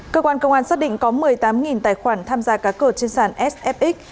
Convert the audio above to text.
cơ quan công an xác định có một mươi tám tài khoản tham gia cá cờ trên sàn sfxx